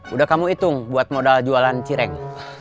udah kamu hitung buat modal jualan cireng